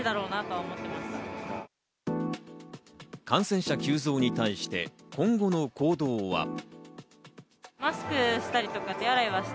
感染者急増に対して今後の行動は。